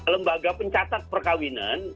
lembaga pencatat perkawinan